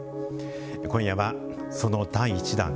今夜は、その第１弾。